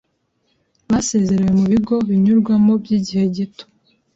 basezerewe mu bigo binyurwamo by’Igihe Gito